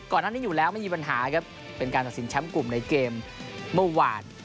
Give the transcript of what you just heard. ก่อนหน้านี้อยู่แล้วไม่มีปัญหาครับเป็นการตัดสินแชมป์กลุ่มในเกมเมื่อวาน